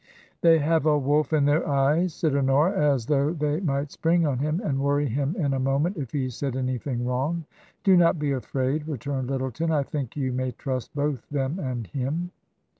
They have a wolf in their eyes," said Honora, " as though they might spring on him and worry him in a moment if he said anything wrong." •' Do not be afraid," returned Lyttleton ;" I think you may trust both them and him."